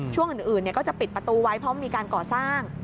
ช่วงอื่นก็จะปิดประตูไว้เพราะมีการก่อสร้าง